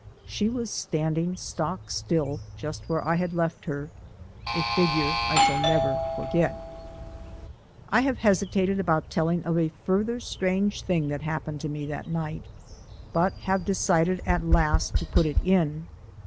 She was standing stock still just where I had left her a figure I shall never forget. I have hesitated about telling of a further strange thing that happened to me that night but have decided at last to put it in.